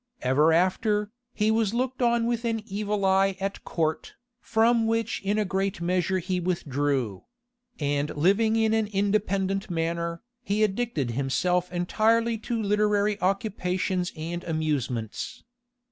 Ever after, he was looked on with an evil eye at court, from which in a great measure he withdrew; and living in an independent manner, he addicted himself entirely to literary occupations and amusements.